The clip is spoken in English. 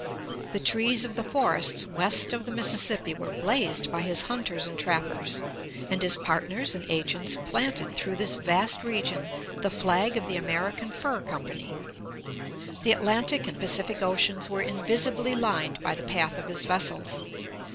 The trees of the forests west of the Mississippi were blazed by his hunters and trap pers ; and his partners and agents planted through this vast region the flag of the American Fur Company. The Atlantic and Pacific Oceans were invisibly lined by the path of his vessels.